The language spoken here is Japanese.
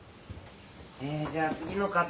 ええじゃあ次の方。